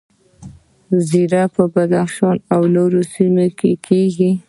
زیره په بدخشان او نورو سیمو کې کیږي